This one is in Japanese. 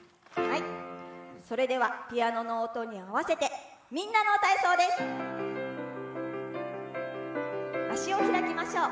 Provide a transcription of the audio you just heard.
それではピアノの音に合わせて「みんなの体操」です。脚を開きましょう。